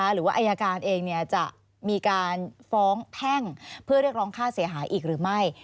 หรือว่าอายการเองจะมีการฟ้องแพ่งเพื่อเรียกร้องค่าเสียหายอีกหรือไม่